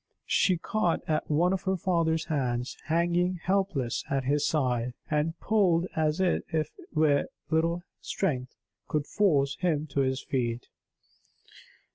She caught at one of her father's hands hanging helpless at his side, and pulled at it as if her little strength could force him to his feet.